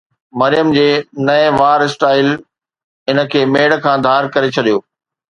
مريم جي نئين وار اسٽائل هن کي ميڙ کان ڌار ڪري ڇڏيو.